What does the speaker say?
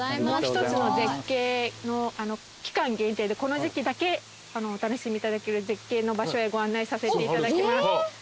もう一つの絶景期間限定でこの時季だけお楽しみいただける絶景の場所へご案内させていただきます。